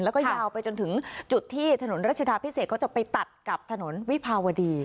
แล้วก็ยาวไปจนถึงจุดที่ถนนรัชดาพิเศษเขาจะไปตัดกับถนนวิภาวดี